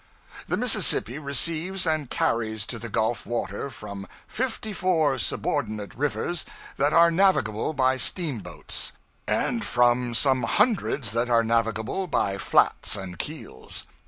The Mississippi receives and carries to the Gulf water from fifty four subordinate rivers that are navigable by steamboats, and from some hundreds that are navigable by flats and keels.